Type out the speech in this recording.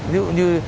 ví dụ như